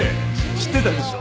知ってたでしょ？